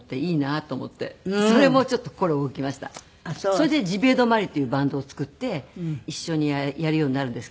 それでＧＩＢＩＥＲｄｕＭＡＲＩっていうバンドを作って一緒にやるようになるんですけど。